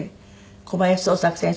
小林宗作先生？